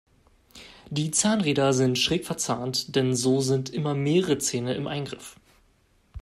Die Zahnräder sind schräg verzahnt, denn so sind immer mehrere Zähne im Eingriff.